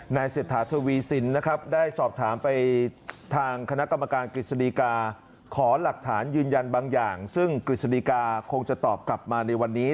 เศรษฐาทวีสินนะครับได้สอบถามไปทางคณะกรรมการกฤษฎีกาขอหลักฐานยืนยันบางอย่างซึ่งกฤษฎีกาคงจะตอบกลับมาในวันนี้